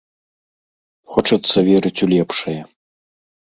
Хочацца верыць у лепшае.